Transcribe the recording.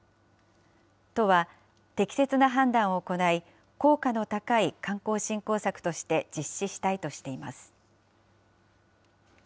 都は、適切な判断を行い、効果の高い観光振興策として実施したいとしています。